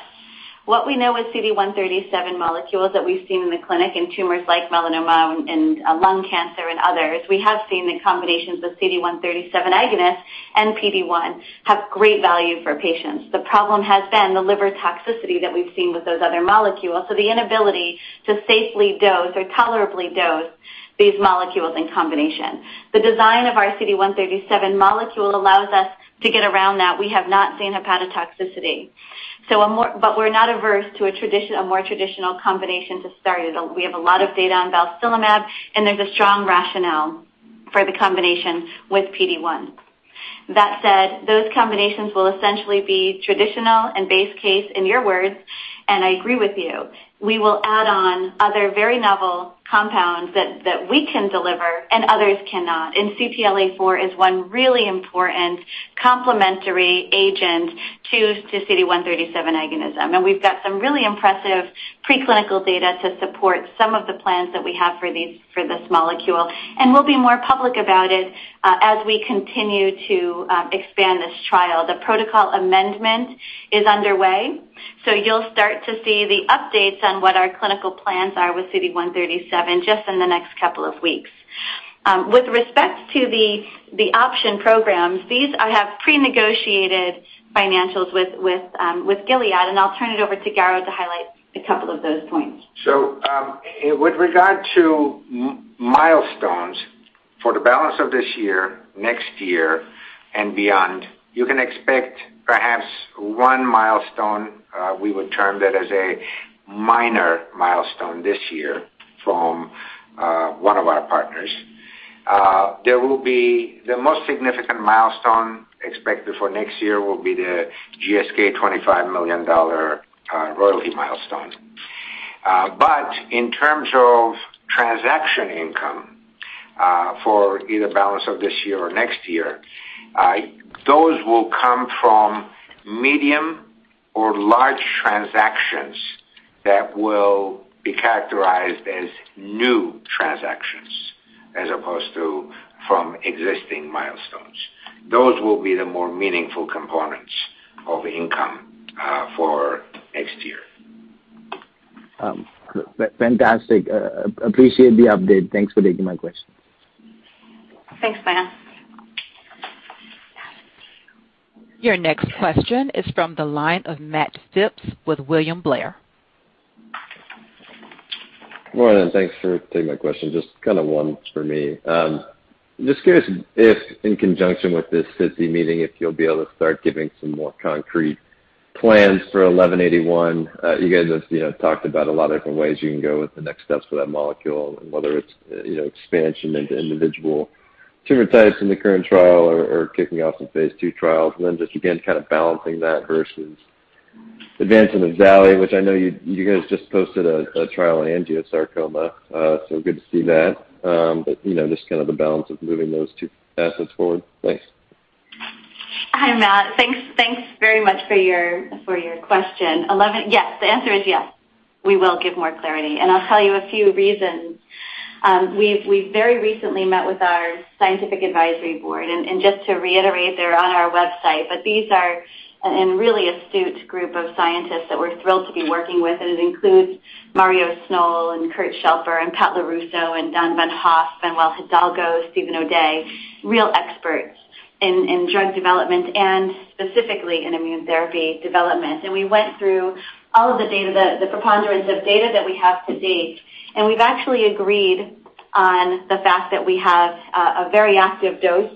what we know with CD137 molecules that we've seen in the clinic in tumors like melanoma and lung cancer and others, we have seen the combinations with CD137 agonists and PD-1 have great value for patients. The problem has been the liver toxicity that we've seen with those other molecules. The inability to safely dose or tolerably dose these molecules in combination. The design of our CD137 molecule allows us to get around that. We have not seen hepatotoxicity. We're not averse to a more traditional combination to start. We have a lot of data on balstilimab, and there's a strong rationale for the combination with PD-1. That said, those combinations will essentially be traditional and base case in your words, and I agree with you. We will add on other very novel compounds that we can deliver and others cannot, and CTLA-4 is one really important complementary agent to CD137 agonism. We've got some really impressive preclinical data to support some of the plans that we have for this molecule, and we'll be more public about it as we continue to expand this trial. The protocol amendment is underway, so you'll start to see the updates on what our clinical plans are with CD137 just in the next couple of weeks. With respect to the option programs, these I have prenegotiated financials with Gilead. I'll turn it over to Garo to highlight a couple of those points. With regard to milestones for the balance of this year, next year, and beyond, you can expect perhaps one milestone, we would term it as a minor milestone this year from one of our partners. The most significant milestone expected for next year will be the GSK $25 million royalty milestone. In terms of transaction income for either balance of this year or next year, those will come from medium or large transactions that will be characterized as new transactions as opposed to from existing milestones. Those will be the more meaningful components of income for next year. Fantastic. Appreciate the update. Thanks for taking my question. Thanks, Mayank. Your next question is from the line of Matt Phipps with William Blair. Morning, thanks for taking my question. Just kind of one for me. Curious if, in conjunction with this SITC meeting, if you'll be able to start giving some more concrete plans for AGEN1181. You guys have talked about a lot of different ways you can go with the next steps for that molecule, whether it's expansion into individual tumor types in the current trial or kicking off some phase II trials, just again, kind of balancing that versus advancing zalifrelimab, which I know you guys just posted a trial in angiosarcoma, good to see that. Just kind of the balance of moving those two assets forward. Thanks. Hi, Matt. Thanks very much for your question. Yes. The answer is yes. We will give more clarity, and I'll tell you a few reasons. We've very recently met with our scientific advisory board, and just to reiterate, they're on our website, but these are a really astute group of scientists that we're thrilled to be working with, and it includes Mario Sznol and Kurt Schalper and Pat LoRusso and David Von Hoff, Manuel Hidalgo, Steven O'Day, real experts in drug development and specifically in immune therapy development. We went through all of the data, the preponderance of data that we have to date, and we've actually agreed on the fact that we have a very active dose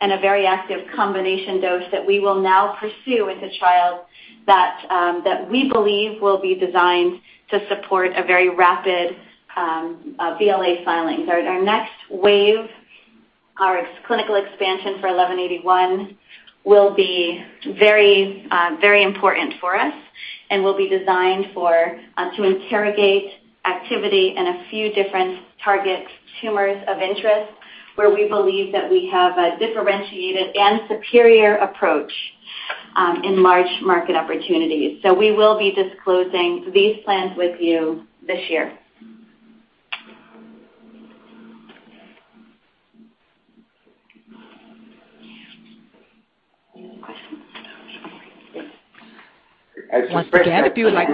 and a very active combination dose that we will now pursue with a trial that we believe will be designed to support a very rapid BLA filing. Our next wave, our clinical expansion for AGEN1181 will be very important for us and will be designed to interrogate activity in a few different target tumors of interest, where we believe that we have a differentiated and superior approach in large market opportunities. We will be disclosing these plans with you this year. Any more questions? Once again, if you would like-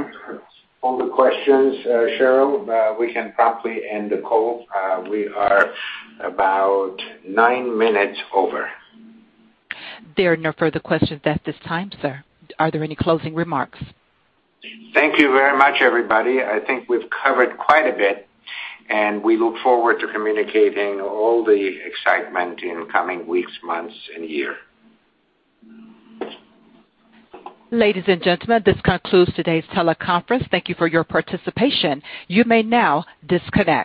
All the questions, Cheryl, we can promptly end the call. We are about nine minutes over. There are no further questions at this time, sir. Are there any closing remarks? Thank you very much, everybody. I think we've covered quite a bit, and we look forward to communicating all the excitement in coming weeks, months, and year. Ladies and gentlemen, this concludes today's teleconference. Thank you for your participation. You may now disconnect.